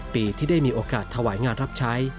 ปีที่ได้มีโอกาสถวายงานรับใช้